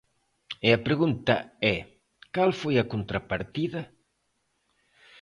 E a pregunta é, ¿cal foi a contrapartida?